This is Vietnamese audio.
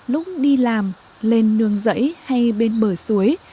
lúc đi làm lên nương rẫy hay bên bờ suối